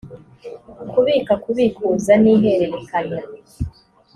kubika kubikuza n ihererekanya